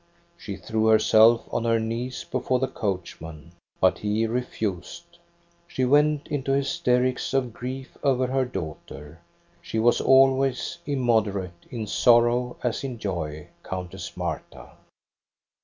She threw her self on her knees before the coachman, but he re fused. She went into hysterics of grief over her daughter — she was always immoderate, in sorrow as in joy, Countess Marta.